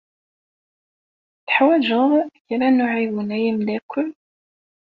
Teḥwaǧeḍ kra n uɛiwen ay amddakel?